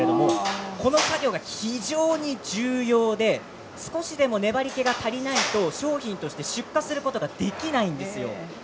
この作業が非常に重要で少しでも粘り気が足りないと商品として出荷することができないんですよ。